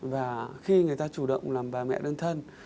và khi người ta chủ động làm bà mẹ đơn thân